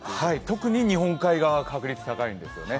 特に日本海側、確率高いようですね。